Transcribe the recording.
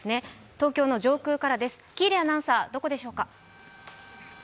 東京の上空からです、喜入アナウンサー、どこでしょうか？